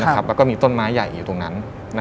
แล้วก็มีต้นไม้ใหญ่อยู่ตรงนั้น